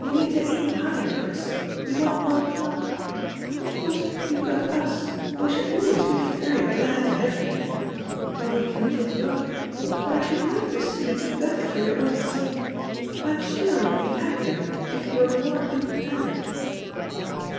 You need to aim higher, Chris, you want more pluck. Of course you've got ua, and we shall always be very glad to have you here — when we can put you up — ^but I should like to see you do better for your own sake ; I am sure you'd be happier if you were more independent."